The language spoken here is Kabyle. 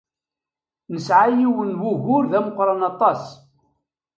Nesɛa yiwen n wugur d ameqran aṭas.